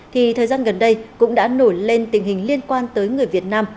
thì thời gian gần đây cũng đã nổi lên tình hình liên quan tới người việt nam